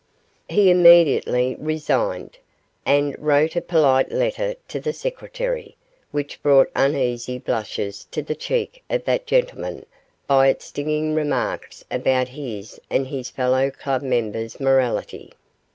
He immediately resigned, and wrote a polite letter to the secretary, which brought uneasy blushes to the cheek of that gentleman by its stinging remarks about his and his fellow clubmen's morality.